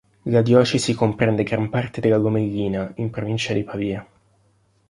La diocesi comprende gran parte della Lomellina, in provincia di Pavia.